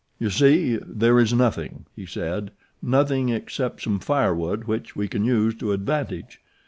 "You see there is nothing," he said "nothing except some firewood which we can use to advantage.